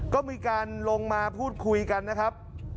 ก็มีการลงมาพูดคุยกันนะครับ